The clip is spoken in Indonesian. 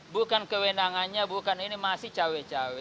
bukan kewenangannya bukan ini masih cawe cawe